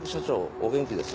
お元気です？